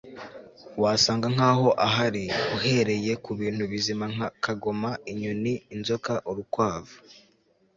wasaga nkaho ahari, uhereye kubintu bizima nka kagoma, inyoni, inzoka, urukwavu